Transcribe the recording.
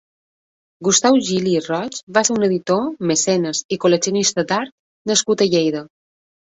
Gustau Gili i Roig va ser un editor, mecenes i col·leccionista d'art nascut a Lleida.